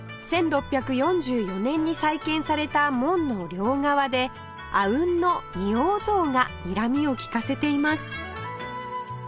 １６４４年に再建された門の両側で阿吽の二王像がにらみを利かせています